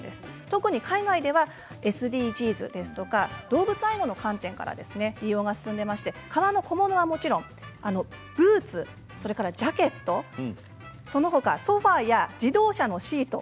特に海外ではＳＤＧｓですとか動物愛護の観点から利用が進んでいまして革の小物はもちろんブーツやジャケットそのほかソファーや自動車のシート